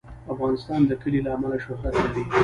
افغانستان د کلي له امله شهرت لري.